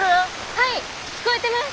はい聞こえてます！